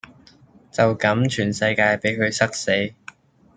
就咁全世界比佢塞死